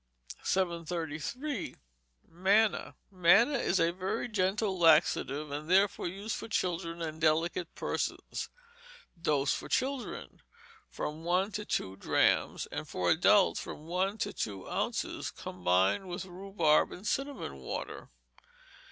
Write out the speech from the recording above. _ 733. Manna Manna is a very gentle laxative, and therefore used for children and delicate persons. Dose for children, from one to two drachms; and for adults, from one to two ounces, combined with rhubarb and cinnamon water.